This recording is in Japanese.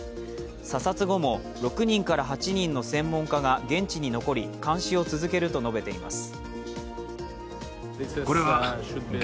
査察後も、６人から８人の専門家が現地に残り、監視を続けると述べています。